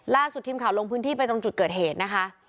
ล่าสุดทีมข่าวลงพื้นที่ไปตรงจุดเกิดเหตุนะคะ